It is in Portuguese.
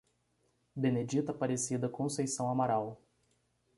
Benedita Aparecida Conceição Amaral